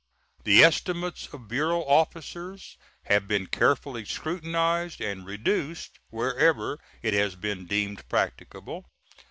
The estimates of bureau officers have been carefully scrutinized, and reduced wherever it has been deemed practicable.